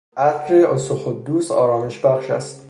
عطر اسطوخودوس آرامش بخش است.